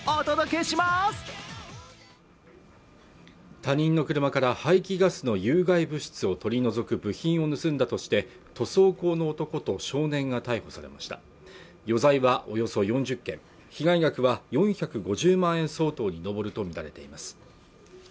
他人の車から排気ガスの有害物質を取り除く部品を盗んだとして塗装工の男と少年が逮捕されました余罪はおよそ４０件被害額は４５０万円相当に上るとみられています